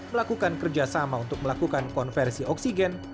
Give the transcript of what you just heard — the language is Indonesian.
melakukan kerjasama untuk melakukan konversi oksigen